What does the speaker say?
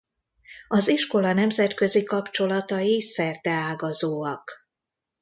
Az iskola nemzetközi kapcsolatai szerteágazóak.